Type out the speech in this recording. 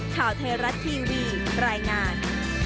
ข่าวไทยรัฐทีวีรายงาน